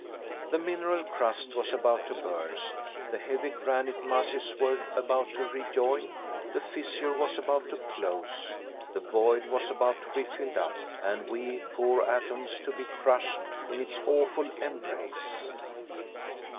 The mineral crust was about to burst, the heavy granite masses were about to rejoin, the fissure was about to close, the void was about to be filled up, and we poor atoms to be crushed in its awful embrace!